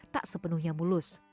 tak sepenuhnya mulus